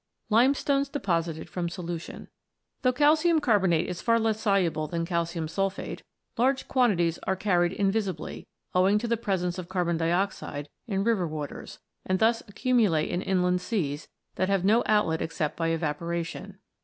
LIMESTONES DEPOSITED FROM SOLUTION Though calcium carbonate is far less soluble than calcium sulphate, large quantities are carried invisibly, owing to the presence of carbon dioxide, in river waters, and thus accumulate in inland seas that have no outlet except by evaporation.